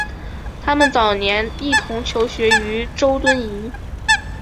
他们早年一同求学于周敦颐。